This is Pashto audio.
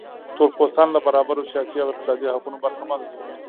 تور پوستان له برابرو سیاسي او اقتصادي حقونو برخمن شول.